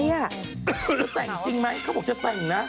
จะแต่งจริงไหมเขาบอกจะแต่งนะ